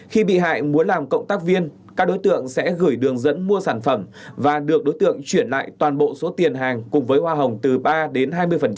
khi bị hại muốn làm cộng tác viên các đối tượng sẽ gửi đường dẫn mua sản phẩm và được đối tượng chuyển lại toàn bộ số tiền hàng cùng với hoa hồng từ ba đến hai mươi